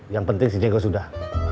yang penting si diego sudah